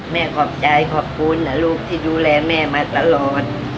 ขอบใจขอบคุณนะลูกที่ดูแลแม่มาตลอด